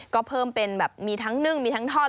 ก็เพิ่มเป็นแบบมีทั้งนึ่งมีทั้งทอด